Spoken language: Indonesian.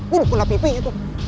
gue dukung hpnya tuh